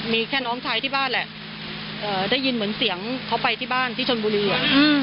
มีแค่น้องชายที่บ้านแหละได้ยินเหมือนเสียงเขาไปที่บ้านที่ชนบุรี